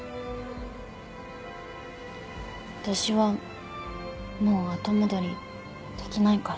私はもう後戻りできないから。